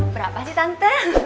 berapa sih tante